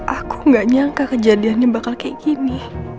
aku gak nyangka kejadiannya bakal kayak gini